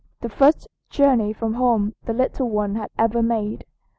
the first journey from home the little one had ever made.